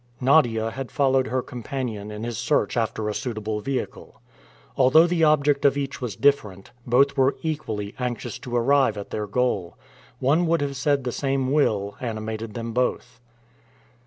Nadia had followed her companion in his search after a suitable vehicle. Although the object of each was different, both were equally anxious to arrive at their goal. One would have said the same will animated them both.